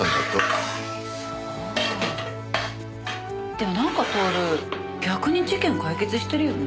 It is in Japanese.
でもなんか享逆に事件解決してるよね。